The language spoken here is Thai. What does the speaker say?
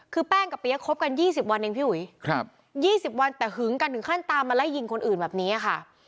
คือแป้งกับเปี๊ยกคบกัน๒๐วันเองพี่อุ๋ย๒๐วันแต่หึงกันถึงขั้นตามมาไล่ยิงคนอื่นแบบนี้ค่ะ